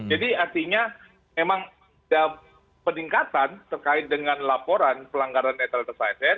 jadi artinya memang ada peningkatan terkait dengan laporan pelanggaran netralitas asn